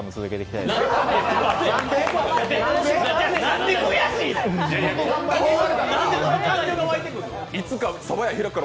なんで悔しいの！？